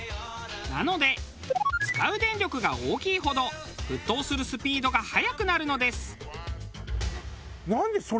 なので使う電力が大きいほど沸騰するスピードが速くなるのです。